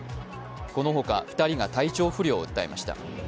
このほか２人が体調不良を訴えました。